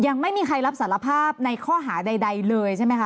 ยังไม่มีใครรับสารภาพในข้อหาใดเลยใช่ไหมคะ